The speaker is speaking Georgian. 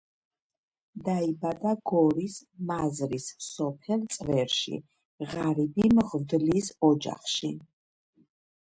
დაიბადა გორის მაზრის სოფელ წვერში, ღარიბი მღვდლის ოჯახში.